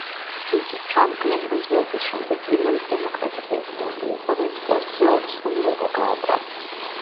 იგი ფრანკლინ რუზველტის შემდეგ პირველი დემოკრატი პრეზიდენტი იყო, ვინც პოსტზე ორი სრული ვადა გაატარა.